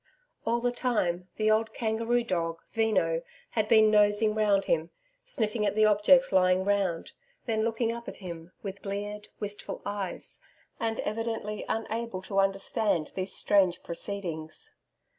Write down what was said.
All the time, the old kangaroo dog, Veno had been nosing round him, sniffing at the objects lying round, then looking up at him with bleared, wistful eyes, and evidently unable to understand these strange proceedings.